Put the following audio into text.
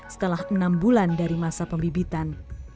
setelah enam bulan dari masa pembibitan